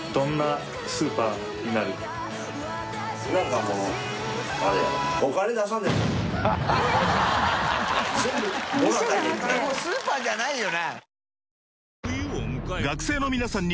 もうスーパーじゃないよな。